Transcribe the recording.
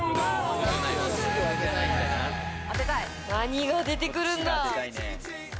何が出てくるんだ？